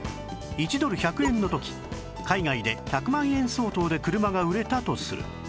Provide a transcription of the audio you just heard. １ドル１００円の時海外で１００万円相当で車が売れたとする